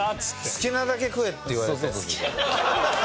好きなだけ食えって言われて。